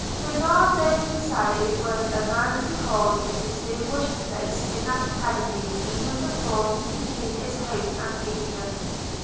Bernardo Rucellai was a man to hold a distinguished place in that Academy even before he became its host and patron.